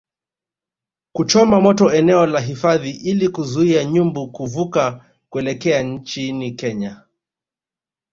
kuchoma moto eneo la hifadhi ili kuzuia nyumbu kuvuka kuelekea nchini Kenya